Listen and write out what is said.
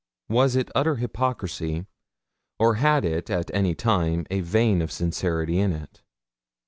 Was it utter hypocrisy, or had it at any time a vein of sincerity in it?